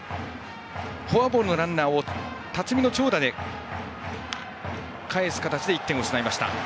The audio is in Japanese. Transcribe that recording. フォアボールのランナーを辰己の長打でかえす形で１点を失いました。